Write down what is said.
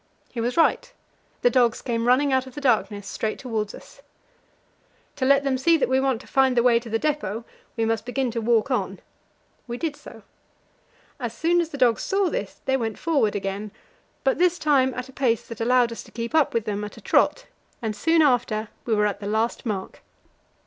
He was right; the dogs came running out of the darkness straight towards us. "To let them see that we want to find the way to the depot, we must begin to walk on." We did so. As soon as the dogs saw this, they went forward again, but this time at a pace that allowed us to keep up with them at a trot, and soon after we were at the last mark.